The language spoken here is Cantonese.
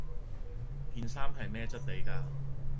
件衫係咩質地架